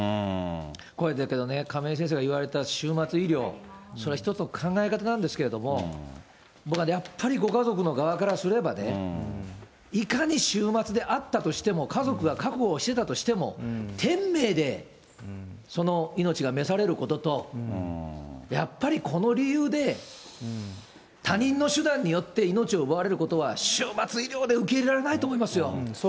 これだけどね、亀井先生が言われた終末医療、それ一つの考え方なんですけれども、僕はやっぱりご家族の側からすればね、いかに終末であったとしても、家族が覚悟していたとしても、天命でその命が召されることと、やっぱりこの理由で、他人の手段によって命を奪われることは、終末医療で受け入れられないと思いますよ。